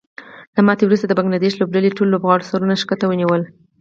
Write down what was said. له ماتې وروسته د بنګلادیش لوبډلې ټولو لوبغاړو سرونه ښکته ونیول